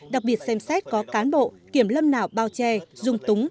đặc biệt xem xét có cán bộ kiểm lâm nào bao che dung túng